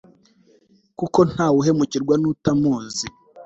kuko ntawuhemukirwa nutamuzi